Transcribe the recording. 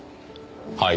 はい？